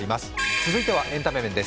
続いてはエンタメ面です。